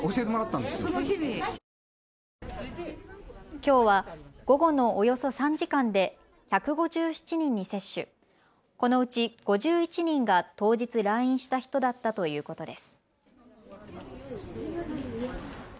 きょうは午後のおよそ３時間で１５７人に接種、このうち５１人が当日来院した人だったということです。